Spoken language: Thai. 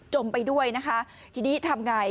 จมไปด้วยนะคะทีนี้ทำอย่างไร